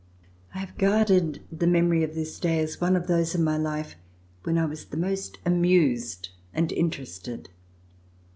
I have guarded the memor}^ of this day as one of those in my life when I was the most amused and interested.